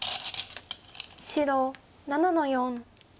白７の四。